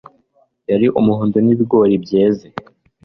Yari umuhondo nkibigori byeze